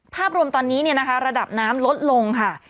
ภาพรวมตอนนี้ระดับน้ำลดลงค่ะ